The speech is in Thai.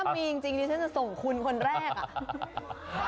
ถ้ามีจริงฉันจะส่งคุณคนแรก